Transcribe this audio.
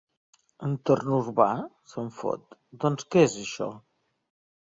Entorn urbà? –se'n fot— Doncs què és, això?